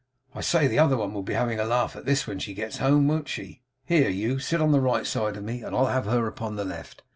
'I say the other one will be having a laugh at this when she gets home, won't she? Here; you sit on the right side of me, and I'll have her upon the left.